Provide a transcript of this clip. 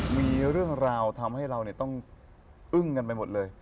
มีเรื่องราวทำให้เราต้องอึ้งกันไปหมดเลย